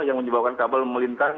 yang menyebabkan kabel melintang